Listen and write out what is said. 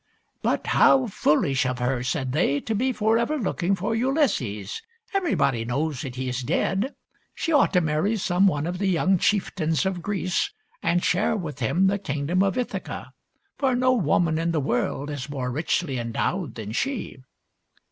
" But how foolish of her," said they, " to be for ever looking for Ulysses. Everybody knows that he is dead. She ought to marry some one of the young chieftains of Greece and share with him the kingdom of Ithaca ; for no woman in the world is more richly endowed than she."